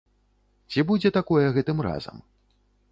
Ці будзе такое гэтым разам?